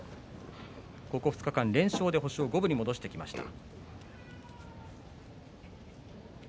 ここ２日間、連勝で星を五分に戻しました。